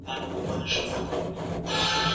مشرانو وویل چي د کندهار پښتو زموږ د ژبي ستون دی.